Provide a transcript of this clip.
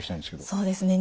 そうですね